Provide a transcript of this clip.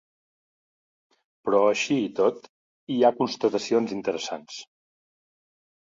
Però així i tot hi ha constatacions interessants.